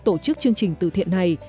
tổ chức chương trình tử thiện này